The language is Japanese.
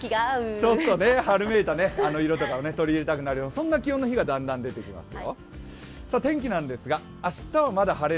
ちょっと春めいた色とかを取り入れたくなるような、そんな気温の日がだんだん出てきますよ。